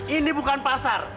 ini bukan pasar